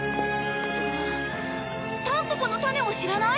タンポポの種を知らない？